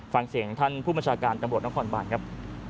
ฟังเสียงท่านผู้บัญชาการตำรวจนครบานครับ